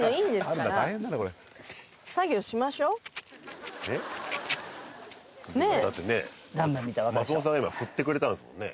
ねえだってねえ松本さんが今振ってくれたんですもんね